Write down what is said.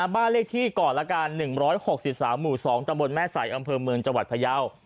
บ้านเลขที่ก่อนละกัน๑๖๓หมู่๒ตะบนแม่สายอำเภอเมืองจังหวัดพยาว